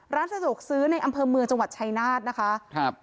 ร้านสะดวกซื้อในอำเภอเมืองจังหวัดชายนาฏนะคะครับ